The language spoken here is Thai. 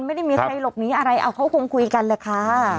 ไม่ได้มีใครหลบหนีอะไรเอาเขาคงคุยกันแหละค่ะ